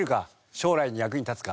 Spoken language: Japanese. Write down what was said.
将来の役に立つか。